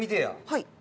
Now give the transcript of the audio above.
はい。